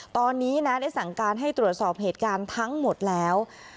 ตอนนี้นะได้สั่งการให้ตรวจสอบเหตุการณ์ทั้งหมดแล้ว